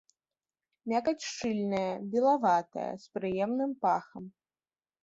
Мякаць шчыльная, белаватая, з прыемным пахам.